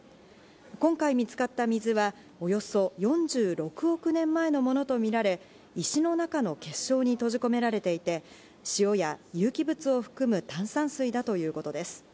今回見つかった水はおよそ４６億年前のものとみられ、石の中の結晶に閉じ込められていて塩や有機物を含む炭酸水だということです。